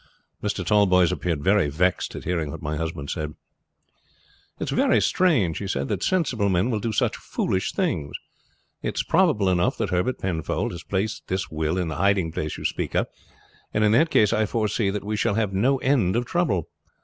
Mr. Tallboys appeared very vexed at hearing what my husband said. "'It is very strange.' he said, 'that sensible men will do such foolish things. It is probable enough that Herbert Penfold has placed this will in the hiding place you speak of, and in that case I foresee that we shall have no end of trouble.